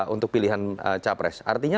untuk pilihan cawapres artinya